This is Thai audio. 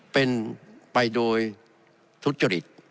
เป็นไปโดยทุจริต